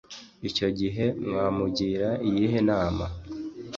icyo gihe mwamugira iyihe nama